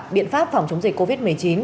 biện pháp phòng chống dịch covid một mươi chín